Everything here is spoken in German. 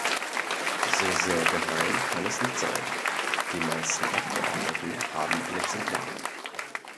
So sehr geheim kann es nicht sein die meisten Abgeordneten haben ein Exemplar.